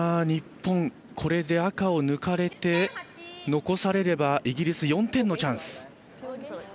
日本、これで赤を抜かれて残されればイギリス４点のチャンス。